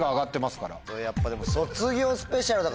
やっぱでも。